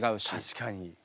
確かに。